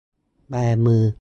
แบมือ